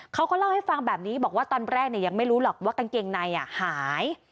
เขาก็เล่าให้ฟังแบบนี้บอกว่าตอนแรกยังไม่รู้หรอกว่ากางเกงในหาย